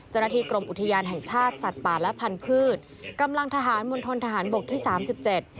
เจ้าหน้าที่กรมอุทยานแห่งชาติสัตว์ป่าและพันธุ์กำลังทหารมณฑนทหารบกที่สามสิบเจ็ด